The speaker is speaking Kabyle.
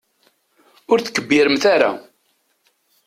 Ur tkebbiremt ara.